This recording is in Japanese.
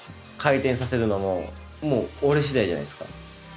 回転させるのももう俺しだいじゃないですか。